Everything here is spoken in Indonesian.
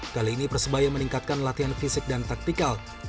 kali ini persebaya meningkatkan latihan fisik dan taktikal